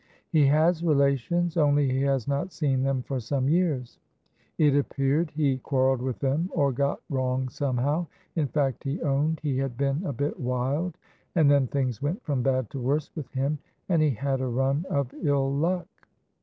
"He has relations, only he has not seen them for some years; it appeared he quarrelled with them or got wrong somehow; in fact, he owned he had been a bit wild, and then things went from bad to worse with him, and he had a run of ill luck.